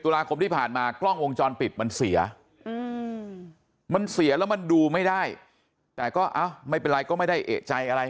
ตุลาคมที่ผ่านมากล้องวงจรปิดมันเสียมันเสียแล้วมันดูไม่ได้แต่ก็เอ้าไม่เป็นไรก็ไม่ได้เอกใจอะไร